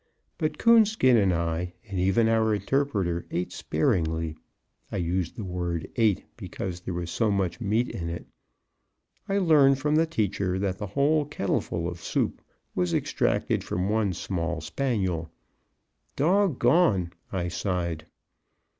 But Coonskin and I, and even our interpreter, ate sparingly (I use the word "ate," because there was so much meat in it). I learned from the teacher that the whole kettleful of soup was extracted from one small spaniel. "Dog gone!" I sighed.